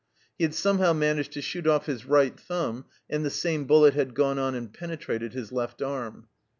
He had somehow managed to shoot off his right thumb, and the same bullet had gone on and penetrated his left arm.